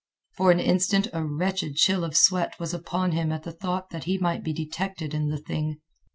For an instant a wretched chill of sweat was upon him at the thought that he might be detected in the thing.